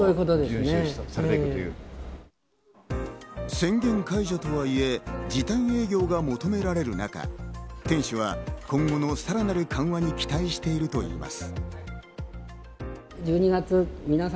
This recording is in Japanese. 宣言解除とはいえ時短営業が求められる中、店主は今後のさらなる緩和に期待しているといいます。